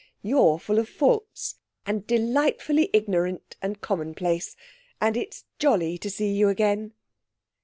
You're full of faults, and delightfully ignorant and commonplace. And it's jolly to see you again.'